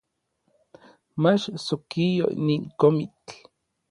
Mach sokio nin komitl